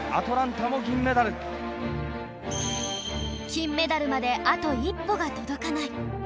金メダルまであと一歩が届かない